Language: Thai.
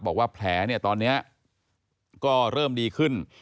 บอกว่าแผลเนี่ยตอนนี้ก็เริ่มดีขึ้น